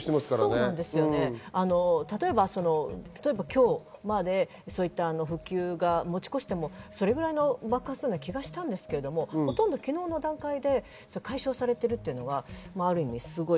例えば今日まで復旧が持ち越しても、それぐらいの爆発のような気がしたんですけど、ほとんど昨日の段階で解消されてるってのはある意味すごい。